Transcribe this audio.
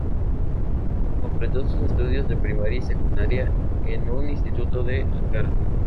Completó sus estudios de primaria y secundaria en un instituto de Ankara.